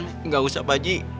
nggak usah pak haji